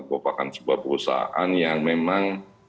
merupakan sebuah perusahaan yang memang